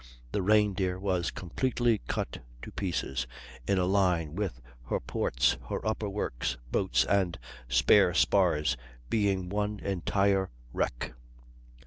The Reindeer was completely cut to pieces in a line with her ports; her upper works, boats, and spare spars being one entire wreck.